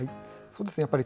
そうですね